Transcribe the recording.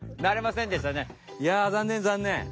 いやざんねんざんねん。